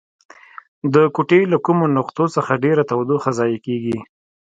د کوټې له کومو نقطو څخه ډیره تودوخه ضایع کیږي؟